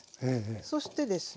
そしてですね